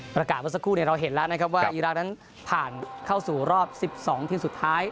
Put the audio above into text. เมื่อสักครู่เราเห็นแล้วนะครับว่าอีรักษ์นั้นผ่านเข้าสู่รอบ๑๒ทีมสุดท้าย